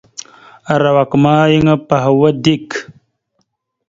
Arawak ma yan apahwa dik.